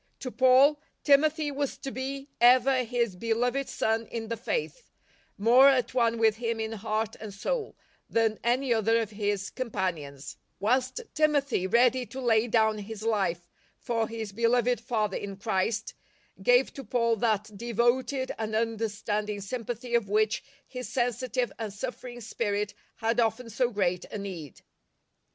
To Paul, Timothy was to be ever his " beloved son in the faith," " more at one with him in heart and soul " than any other of his com panions; whilst Timothy, ready to lay down his life for his beloved father in Christ, gave to Paul that devoted and understanding sym pathy of which his sensitive and suffering spirit had often so great a need.